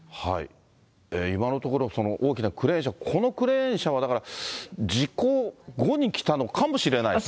今のところ大きなクレーン車、このクレーン車はだから、事故後に来たのかもしれないですね。